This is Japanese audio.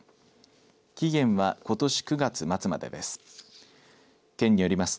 期限はことし９月末までです。